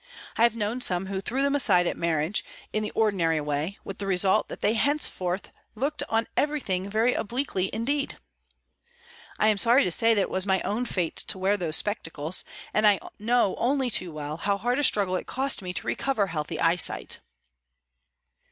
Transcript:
I have known some who threw them aside at marriage, in the ordinary way, with the result that they thenceforth looked on everything very obliquely indeed. I'm sorry to say that it was my own fate to wear those spectacles, and I know only too well how hard a struggle it cost me to recover healthy eyesight."